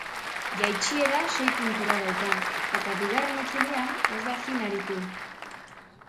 Jeitsiera sei puntura dauka eta bigarren itzulian ez da fin aritu.